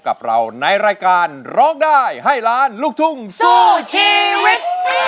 กับเราในรายการร้องได้ให้ล้านลูกทุ่งสู้ชีวิต